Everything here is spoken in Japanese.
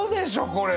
これ！